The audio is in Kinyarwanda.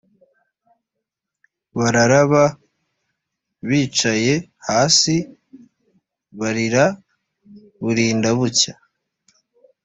bararaba bicaye hasi barira burinda bucya